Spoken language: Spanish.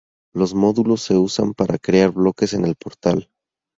Los módulos se usan para crear bloques en el portal.